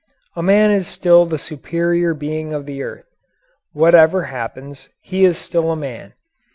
A man is still the superior being of the earth. Whatever happens, he is still a man.